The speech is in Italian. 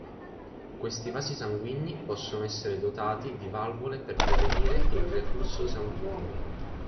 Questi vasi sanguigni possono essere dotati di valvole per prevenire il reflusso sanguigno.